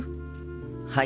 はい。